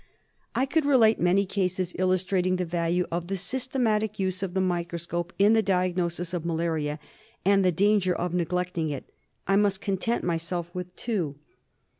I could relate many cases illustrating the value of the systematic use of the microscope in the diagnosis of malaria, and the danger of neglecting it ; I must content myself with two.